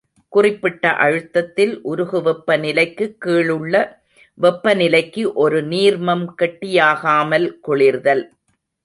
குறிப்பிட்ட அழுத்தத்தில் உருகு வெப்பநிலைக்குக் கீழுள்ள வெப்பநிலைக்கு ஒரு நீர்மம் கெட்டியாகாமல் குளிர்தல்.